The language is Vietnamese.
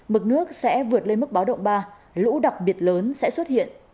mực nước sẽ vượt lên mức báo động ba lũ đặc biệt lớn sẽ xuất hiện